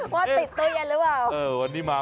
ว่าติดตู้เย็นหรือเปล่า